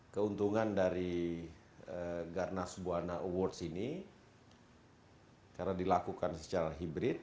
keuntungan dari garnas buwana awards ini karena dilakukan secara hibrid